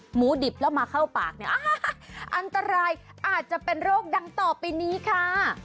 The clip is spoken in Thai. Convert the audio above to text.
หมูดิบแล้วมาเข้าปากเนี่ยอันตรายอาจจะเป็นโรคดังต่อไปนี้ค่ะ